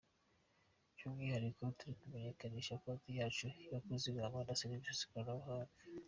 By’umwihariko turi kumenyekanisha konti yacu yo kuzigama na serivisi z’ikoranabuhanga.